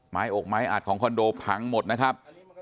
อกไม้อัดของคอนโดพังหมดนะครับ